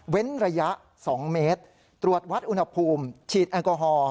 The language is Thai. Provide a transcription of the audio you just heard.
ระยะ๒เมตรตรวจวัดอุณหภูมิฉีดแอลกอฮอล์